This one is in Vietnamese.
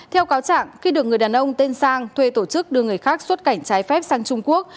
theo cáo trạng khi được người đàn ông tên sang thuê tổ chức đưa người khác xuất cảnh trái phép sang trung quốc